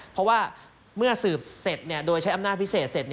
เพราะว่าเมื่อสืบเสร็จโดยใช้อำนาจพิเศษเสร็จ